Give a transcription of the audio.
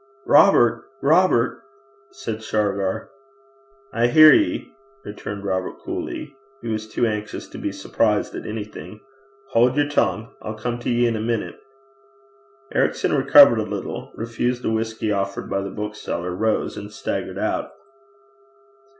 'Robert! Robert!' said Shargar. 'I hear ye,' returned Robert coolly: he was too anxious to be surprised at anything. 'Haud yer tongue. I'll come to ye in a minute.' Ericson recovered a little, refused the whisky offered by the bookseller, rose, and staggered out.